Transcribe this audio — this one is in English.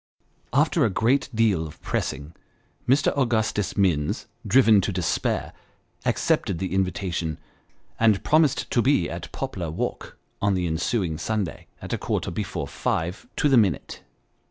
After a great deal of pressing, Mr. Augustus Minns, driven to despair, accepted the invitation, and promised to be at Poplar Walk on the ensuing Sunday, at a quarter before five to the minute.